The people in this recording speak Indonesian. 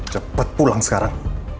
cepet pulang sekarang